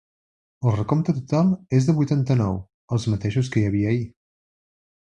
El recompte total és de vuitanta-nou, els mateixos que hi havia ahir.